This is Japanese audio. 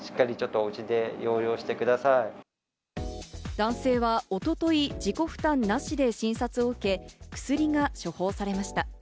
男性は一昨日、自己負担なしで診察を受け、薬が処方されました。